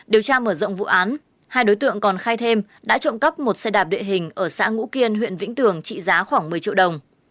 điều tra mở rộng vụ án hai đối tượng còn khai thêm đã trộm cắp một xe đạp địa hình ở xã ngũ kiên huyện vĩnh tường trị giá khoảng một mươi triệu đồng